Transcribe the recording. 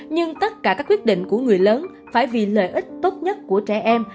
nhưng tất cả các quyết định của người lớn phải vì lợi ích tốt nhất của trẻ em